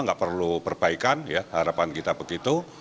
gak perlu perbaikan harapan kita begitu